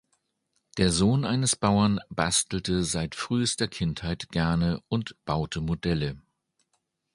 Der Sohn eines Bauern bastelte seit frühester Kindheit gerne und baute Modelle.